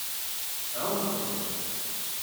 Ɛum kan.